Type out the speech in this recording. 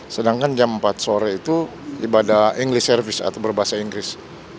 sedangkan jam empat sore itu ibadah engly service atau berbahasa inggris